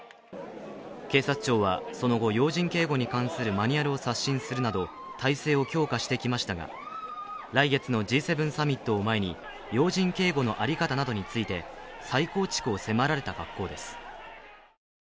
警察庁はそのの地、要人警護に関するマニュアルを刷新するなど態勢を強化してきましたが来月のＧ７サミットを前に要人警護の在り方などについて再構築を迫られた格好です。